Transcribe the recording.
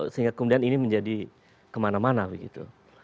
sehingga kemudian ini menjadi kemana mana begitu